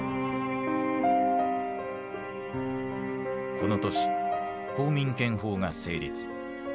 この年公民権法が成立。